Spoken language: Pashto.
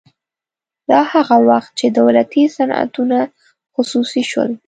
دا هغه وخت چې دولتي صنعتونه خصوصي شول